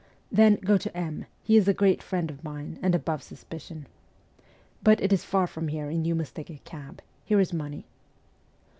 ' Then, go to M ; he is a great friend of mine, and above suspicion. But it is far from here, and you must take a cab. Here is money.'